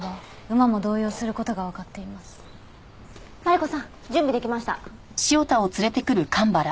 マリコさん準備できました。